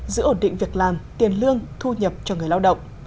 giữ ổn định việc làm tiền lương thu nhập cho người lao động